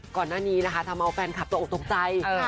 ก่อนหน้านี้นะคะทำเอาแฟนคลับตกออกตกใจ